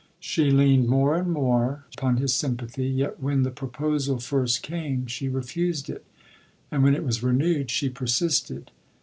She leaned more and more upon his sympathy. Yet when the proposal first came, she refused it; and when it was renewed, she persisted.